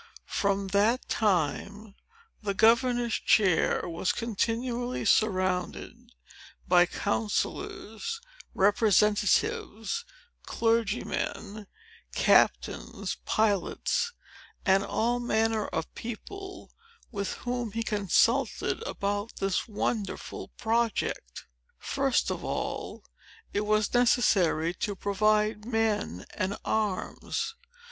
From that time, the governor's chair was continually surrounded by counsellors, representatives, clergymen, captains, pilots, and all manner of people, with whom he consulted about this wonderful project. First of all, it was necessary to provide men and arms.